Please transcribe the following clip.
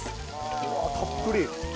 うわあたっぷり。